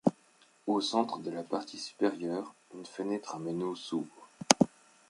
Au centre de la partie supérieure, une fenêtre à meneaux s'ouvre.